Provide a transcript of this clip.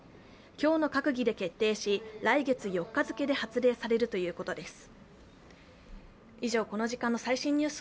今日の閣議で決定し、来月４日付で発令されるということです。